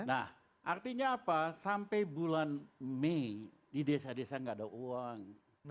nah artinya apa sampai bulan mei di desa desa nggak ada uang